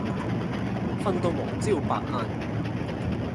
瞓到黃朝百晏